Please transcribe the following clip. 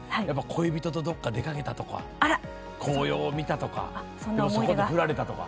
恋人と、どこか出かけたとか、紅葉を見たとかそこで振られたとか。